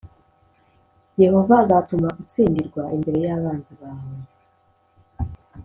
yehova azatuma utsindirwa imbere y’abanzi bawe